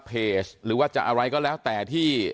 หรือว่าจะอะไรก็แล้วแต่ที่